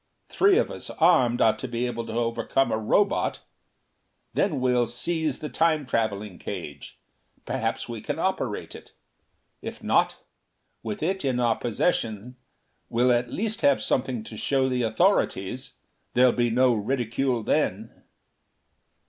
Three of us, armed, ought to be able to overcome a Robot! Then we'll seize the Time traveling cage. Perhaps we can operate it. If not, with it in our possession we'll at least have something to show the authorities; there'll be no ridicule then!"